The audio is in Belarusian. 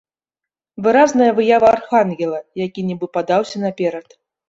Выразная выява архангела, які нібы падаўся наперад.